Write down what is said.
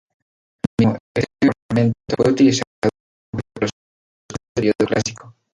Asimismo, este ornamento fue utilizado con frecuencia por los compositores del periodo clásico.